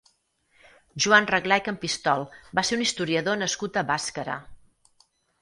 Joan Reglà i Campistol va ser un historiador nascut a Bàscara.